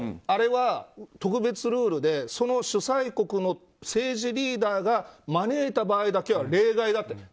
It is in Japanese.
あれは特別ルールでその主催国の政治リーダーが招いた場合だけは例外だと。